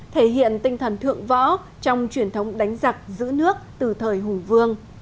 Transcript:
thể hiện tinh thần thượng võ trong truyền thống đánh giặc giữ nước từ thời hùng vương